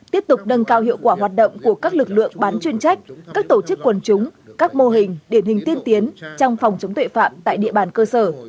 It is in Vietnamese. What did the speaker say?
tiếp tục nâng cao hiệu quả hoạt động của các lực lượng bán chuyên trách các tổ chức quần chúng các mô hình điển hình tiên tiến trong phòng chống tuệ phạm tại địa bàn cơ sở